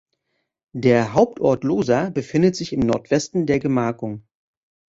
Der Hauptort Losa befindet sich im Nordwesten der Gemarkung.